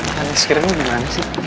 makan es krim ini gimana sih